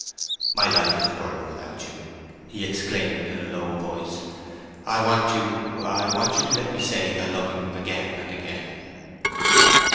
"My life is a burden without you," he exclaimed, in a low voice. "I want you—I want you to let me say I love you again and again!"